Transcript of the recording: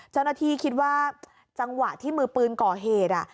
เจ้าหน้าที่คิดว่าจังหวะที่มือปืนก่อเหตุ